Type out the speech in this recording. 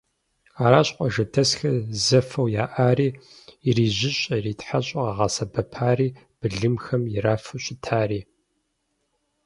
Аращ къуажэдэсхэр зэфэу яӏари, ирижьыщӏэ-иритхьэщӏэу къагъэсэбэпари, былымхэм ирафу щытари.